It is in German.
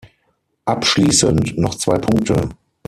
Abschließend noch zwei Punkte.